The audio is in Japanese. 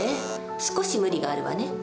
少し無理があるわね。